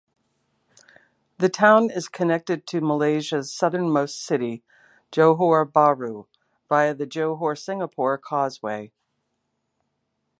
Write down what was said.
The town is connected to Malaysia's southernmost city, Johor Bahru, via the Johor-Singapore Causeway.